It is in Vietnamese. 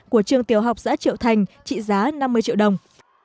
của trường tiểu học xã triệu thành trị giá năm mươi triệu đồng